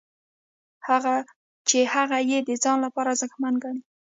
چې هغه یې د ځان لپاره ارزښتمن ګڼي.